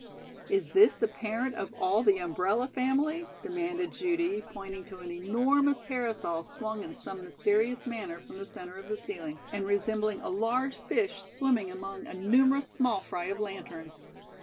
"Is this the parent of all the umbrella family?" demanded Judy, pointing to an enormous parasol swung in some mysterious manner from the centre of the ceiling and resembling a large fish swimming among a numerous small fry of lanterns.